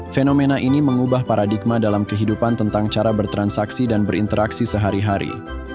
fenomena ini mengubah paradigma dalam kehidupan tentang cara bertransaksi dan berinteraksi sehari hari